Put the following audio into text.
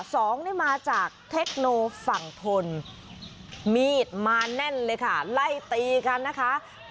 สองนี่มาจากเทคโนฝั่งทนมีดมาแน่นเลยค่ะไล่ตีกันนะคะ